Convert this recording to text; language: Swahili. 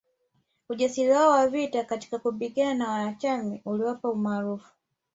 Ujasiri wao wa vita katika kupigana na Wamachame uliwapa umaarufu